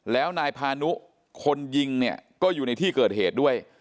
แล้วนายพานุคนยิงเนี่ยก็อยู่ในที่เกิดเหตุด้วย